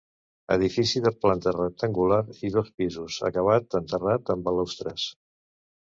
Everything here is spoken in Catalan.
Edifici de planta rectangular i dos pisos, acabat en terrat amb balustres.